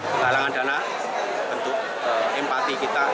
penggalangan dana bentuk empati kita